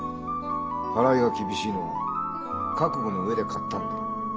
払いが厳しいのは覚悟の上で買ったんだろう？